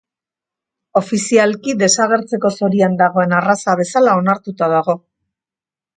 Ofizialki desagertzeko zorian dagoen arraza bezala onartuta dago.